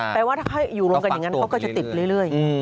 ว่าถ้าอยู่รวมกันอย่างนั้นเขาก็จะติดเรื่อย